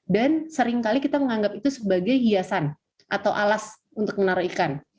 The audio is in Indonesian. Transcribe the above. dan seringkali kita menganggap itu sebagai hiasan atau alas untuk menaruh ikan